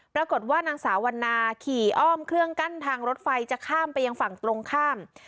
ปรากฏว่านางสาววันนาขี่อ้อมเครื่องกั้นทางรถไฟจะข้ามไปยังฝั่งตรงข้าม